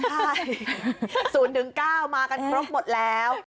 ใช่ศูนย์หนึ่งเก้ามากันครบหมดแล้ว